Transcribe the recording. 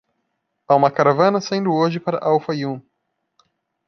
"Há uma caravana saindo hoje para Al-Fayoum."